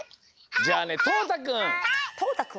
じゃあねとうたくん。